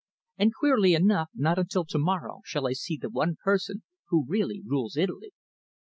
And queerly enough, not until to morrow shall I see the one person who really rules Italy."